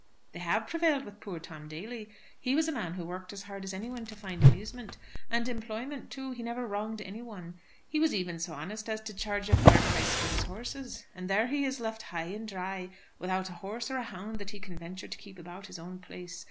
"They have prevailed with poor Tom Daly. He was a man who worked as hard as anyone to find amusement, and employment too. He never wronged anyone. He was even so honest as to charge a fair price for his horses. And there he is, left high and dry, without a horse or a hound that he can venture to keep about his own place.